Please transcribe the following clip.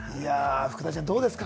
福田ちゃん、どうですか？